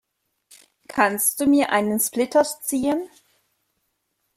Kannst du mir einen Splitter ziehen?